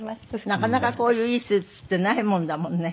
なかなかこういういいスーツってないもんだもんね。